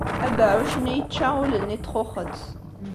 Abeɛɛuc-nni yečča ul-nni n txuxet.